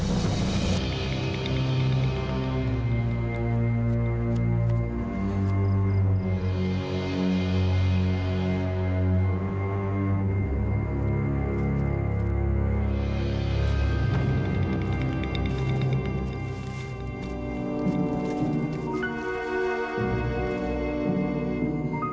aku kangen sama kamu